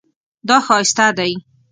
دا ښایسته دی